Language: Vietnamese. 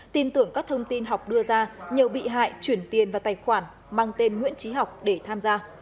tin tưởng các thông tin học đưa ra nhiều bị hại chuyển tiền vào tài khoản mang tên nguyễn trí học để tham gia